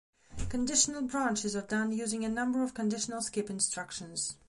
Conditional branches are done using a number of conditional skip instructions.